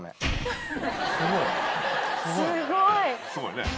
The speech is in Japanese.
すごいね。